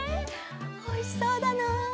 おいしそうだな。